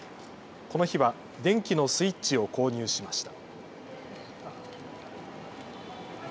この日は電気のスイッチを購入しました。